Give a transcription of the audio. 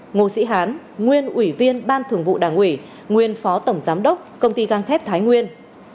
ngô sĩ hán nguyên ủy viên ban thường vụ đảng ủy nguyên phó tổng giám đốc công ty găng thép thái nguyên